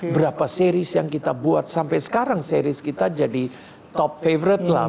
berapa series yang kita buat sampai sekarang series kita jadi top favorit lah